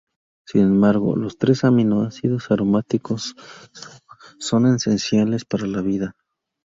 Sin embargo, los tres aminoácidos aromáticos son esenciales para la vida.